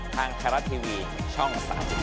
ทางแคลรัตทีวีช่อง๓๒